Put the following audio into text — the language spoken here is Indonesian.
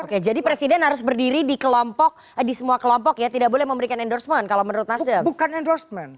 oke jadi presiden harus berdiri di kelompok di semua kelompok ya tidak boleh memberikan endorsement kalau menurut nasdem bukan endorsement